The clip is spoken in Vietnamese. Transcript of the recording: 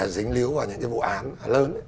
dính líu vào những cái vụ án lớn